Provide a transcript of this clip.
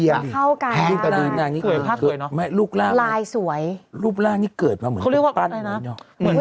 ไม่เข้ากันภาพเกลียวเนอะลายสวยรูปร่างนี้เกิดมาเหมือนกับปั้น